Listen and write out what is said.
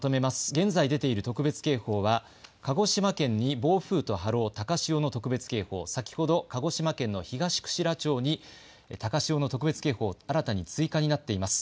現在出ている特別警報は鹿児島県に暴風と波浪、高潮の特別警報、先ほど鹿児島県の東串良町に高潮の特別警報、新たに追加になっています。